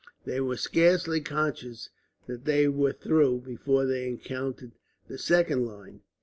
They were scarcely conscious that they were through, before they encountered the second line.